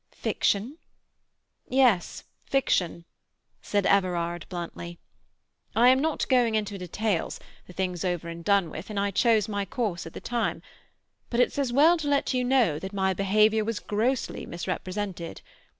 "Fiction?" "Yes, fiction," said Everard bluntly. "I am not going into details; the thing's over and done with, and I chose my course at the time. But it's as well to let you know that my behaviour was grossly misrepresented.